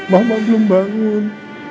mama belum bangun